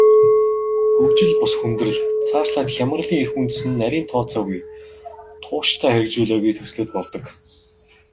Хөгжил бус хүндрэл, цаашлаад хямралын эх үндэс нь нарийн тооцоогүй, тууштай хэрэгжүүлээгүй төслүүд болдог.